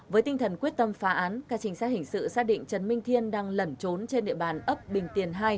với tinh thần quyết tâm phá án các trinh sát hình sự xác định trần minh thiên đang lẩn trốn trên địa bàn ấp bình tiền hai